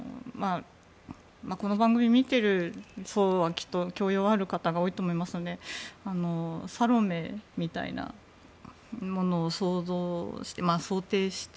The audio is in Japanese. この番組を見ている層はきっと教養ある方が多いと思いますのでサロメみたいなものを想定して